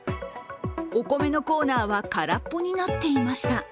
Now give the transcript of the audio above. お米のコーナーは空っぽになっていました。